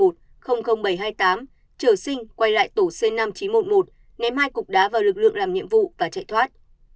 trở sinh quay lại tổ c năm nghìn chín trăm một mươi một nếm hai cục đá vào lực lượng làm nhiệm vụ và chạy thoát